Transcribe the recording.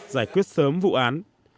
giải quyết sớm vụ án